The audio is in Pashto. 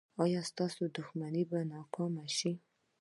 ایا ستاسو دښمن به ناکام شي؟